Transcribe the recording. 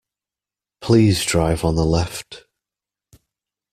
Please drive on the left.